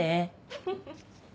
フフフ。